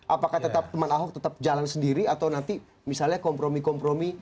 apakah tetap teman ahok tetap jalan sendiri atau nanti misalnya kompromi kompromi